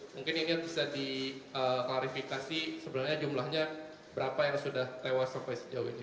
mungkin ini bisa diklarifikasi sebenarnya jumlahnya berapa yang sudah tewas sampai sejauh ini